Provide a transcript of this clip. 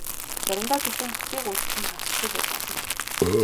Заримдаа зөвхөн бусдыг уучлах нь хангалтгүй байж болно.